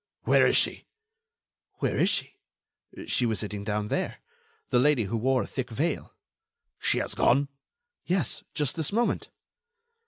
"Where is she?" "Where is she?... She was sitting down there ... the lady who wore a thick veil." "She has gone?" "Yes, just this moment."